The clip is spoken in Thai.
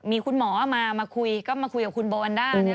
มีคุณหมอมาคุยก็มาคุยกับคุณโบวันด้า